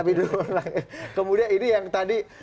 lebih duluan lahir kemudian ini yang tadi